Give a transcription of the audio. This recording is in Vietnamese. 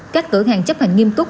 các cửa hàng chấp hành nghiêm túc